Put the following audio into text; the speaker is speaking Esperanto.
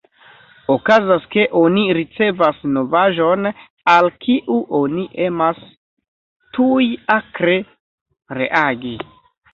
Okazas, ke oni ricevas novaĵon, al kiu oni emas tuj akre reagi.